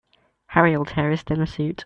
Harry'll tear his dinner suit.